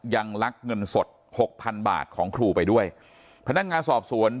ลักเงินสดหกพันบาทของครูไปด้วยพนักงานสอบสวน